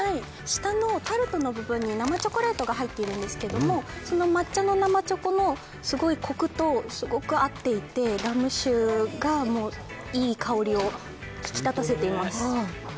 下のタルトの部分に生チョコレートが入ってるんですけどその抹茶の生チョコのコクとすごく合っていてラム酒がいい香りを引き立たせています。